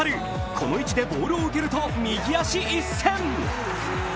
この位置でボールを受けると右足一閃。